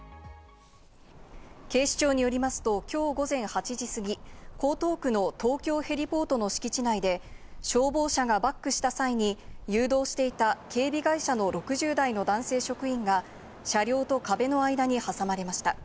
警視庁によりますと、きょう午前８時過ぎ、江東区の東京へリポートの敷地内で消防車がバックした際に、誘導していた警備会社の６０代の男性職員が車両と壁の間に挟まれました。